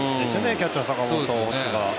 キャッチャーの坂本が。